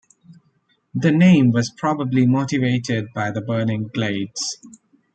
The name was probably motivated by the burning glades.